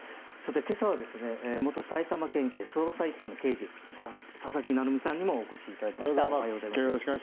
今朝は元埼玉県警捜査１課の刑事佐々木成三さんにもお越しいただきました。